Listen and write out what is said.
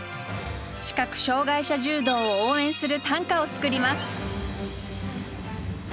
視覚障害者柔道を応援する短歌を作ります。